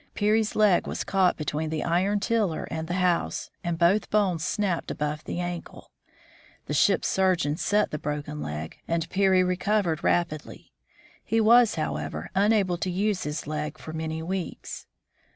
Peary's leg was caught between the iron tiller and the house, and both bones snapped above the ankle. The ship's surgeon set the broken leg, and Peary recovered rapidly. He was, however, unable to use his leg for many weeks.